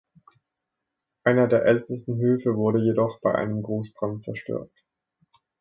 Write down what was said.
Einer der ältesten Höfe wurde jedoch bei einem Großbrand zerstört.